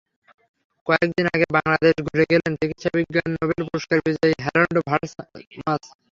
কয়েক দিন আগে বাংলাদেশ ঘুরে গেলেন চিকিৎসাবিজ্ঞানে নোবেল পুরস্কার বিজয়ী হ্যারল্ড ভারমাস।